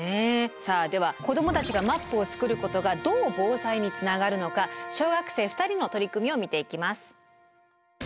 さあでは子どもたちがマップを作ることがどう防災につながるのか小学生２人の取り組みを見ていきます。